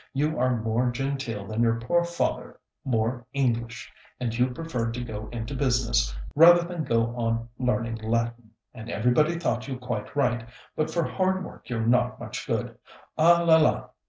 You are more genteel than your poor father, more English; and you preferred to go into business rather than go on learning Latin, and everybody thought you quite right; but for hard work you're not much good ah, la, la!